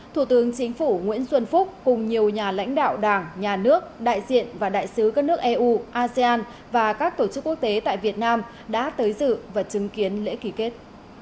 thủ tướng chính phủ nguyễn xuân phúc cùng nhiều nhà lãnh đạo đảng nhà nước đại diện và đại sứ các nước eu asean và các tổ chức quốc tế tại việt nam đã tới dự và chứng kiến lễ ký kết